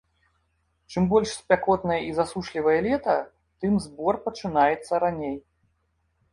Чым больш спякотнае і засушлівае лета, тым збор пачынаецца раней.